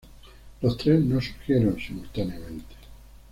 Los tres no surgieron simultáneamente.